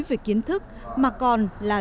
về kiến thức mà còn là